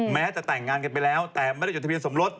แม้จะแต่งงานกันไปแล้วแต่ไม่ได้จดทะเบียนสมรส